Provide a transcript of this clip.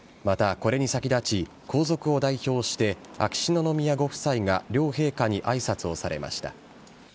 また、これに先立ち、皇族を代表して、秋篠宮ご夫妻が両陛下にあいさつをされました。